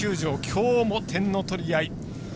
きょうも点の取り合い。